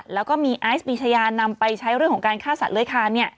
แล้วก็มีไอซ์ปีชายานำไปใช้เรื่องของการฆ่าสัตว์เลื้อยคาน